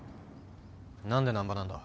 何で難破なんだ？